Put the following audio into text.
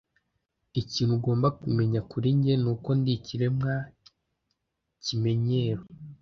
Ikintu ugomba kumenya kuri njye nuko ndi ikiremwa kimenyero.